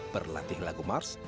berlatih lagu mars